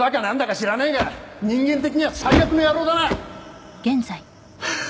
知らねえが人間的には最悪な野郎だなははは